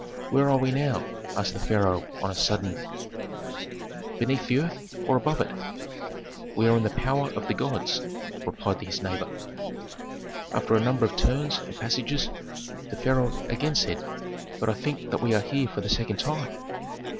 "Where are we now?" asked the pharaoh on a sudden, "beneath the earth, or above it?" "We are in the power of the gods!" replied his neighbor. After a number of turns and passages the pharaoh again said, "But I think that we are here for the second time."